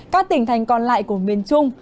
các tỉnh thành còn lại của miền trung